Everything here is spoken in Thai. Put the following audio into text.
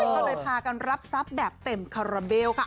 ก็เลยพากันรับทรัพย์แบบเต็มคาราเบลค่ะ